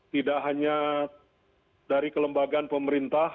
tidak hanya dari kelembagaan pemerintah